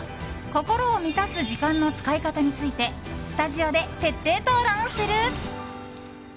心を満たす時間の使い方についてスタジオで徹底討論する。